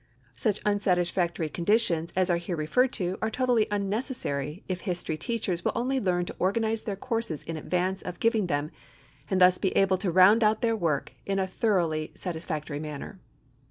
Such unsatisfactory conditions as are here referred to are totally unnecessary if history teachers will only learn to organize their courses in advance of giving them and thus be able to round out their work in a thoroughly satisfactory manner.